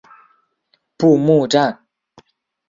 布目站。